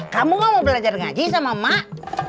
kamu nggak mau belajar ngaji sama mak